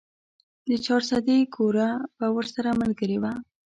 د چارسدې ګوړه به ورسره ملګرې وه.